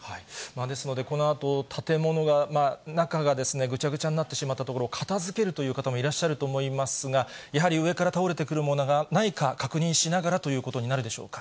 ですので、このあと建物は中がぐちゃぐちゃになってしまったところ、片づけるという方もいらっしゃると思いますが、やはり上から倒れてくるものがないか、確認しながらということになるでしょうか。